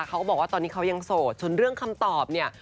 เขาก็บอกว่าตอนนี้เขายังโสดจนเรื่องคำตอบเนี่ย